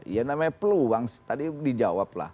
iya namanya peluang sih tadi dijawab lah